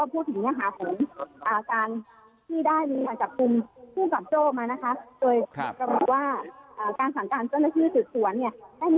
พูดถึงเนื้อหาของการที่ได้จากกลุ่มคู่กับโจ้มาโดยกรรมว่าการสั่งการเจ้าหน้าชื่อถือสวน